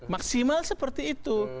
maksimal seperti itu